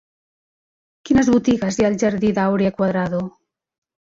Quines botigues hi ha al jardí d'Áurea Cuadrado?